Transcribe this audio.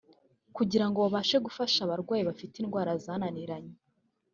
kugirango babashe gufasha abarwayi bafite indwara zananiranye